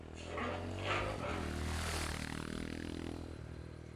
El nombre de Sajonia deriva del de la tribu germánica de los sajones.